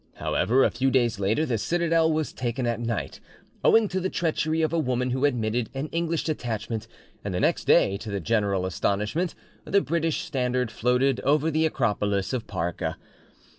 However, a few days later, the citadel was taken at night, owing to the treachery of a woman who admitted an English detachment; and the next day, to the general astonishment, the British standard floated over the Acropolis of Parga.